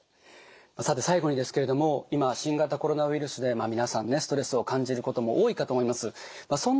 さて最後にですけれども今新型コロナウイルスで皆さんねストレスを感じることも多いかと思います。